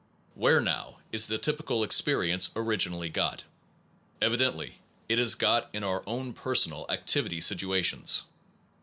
Where now is the typical experience originally got? Evidently it is got in our own personal activ ity situations.